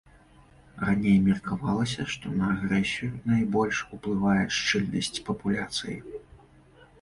Раней меркавалася, што на агрэсію найбольш уплывае шчыльнасць папуляцыі.